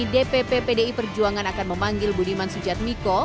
dpp pdi perjuangan akan memanggil budiman sujat miko